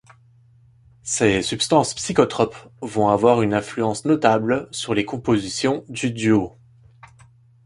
Ces substances psychotropes vont avoir une influence notable sur les compositions du duo.